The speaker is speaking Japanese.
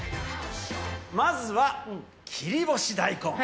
まずは切り干し大根。